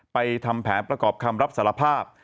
ทำแผนประกอบคำรับสารภาพ